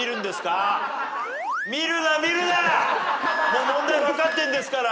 もう問題分かってんですから。